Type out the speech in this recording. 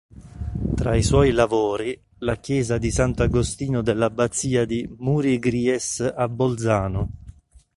Tra i suoi lavori, la chiesa di Sant'Agostino dell'Abbazia di Muri-Gries a Bolzano.